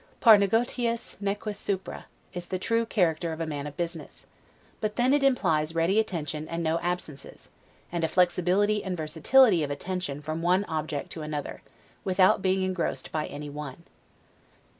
'Par negotiis, neque supra', is the true character of a man of business; but then it implies ready attention and no ABSENCES, and a flexibility and versatility of attention from one object to another, without being engrossed by anyone.